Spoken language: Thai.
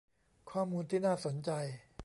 ข้อมูลที่น่าสนใจ